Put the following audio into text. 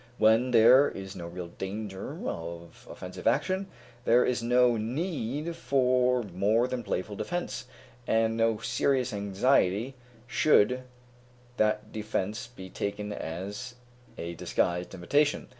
When there is no real danger of offensive action, there is no need for more than playful defence, and no serious anxiety should that defence be taken as a disguised invitation.